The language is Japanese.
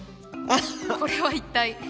これは一体。